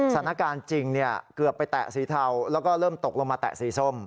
สถานการณ์จริงเกือบไปแตะสีเทาแล้วก็เริ่มตกลงมาแตะสีส้ม